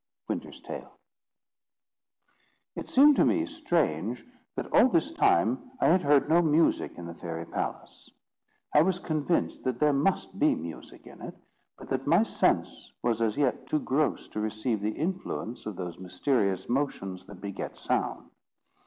Winter's Tale. It seemed to me strange, that all this time I had heard no music in the fairy palace. I was convinced there must be music in it, but that my sense was as yet too gross to receive the influence of those mysterious motions that beget sound.